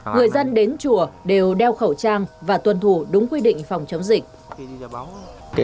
người dân đến chùa đều đeo khẩu trang và tuân thủ đúng quy định phòng chống dịch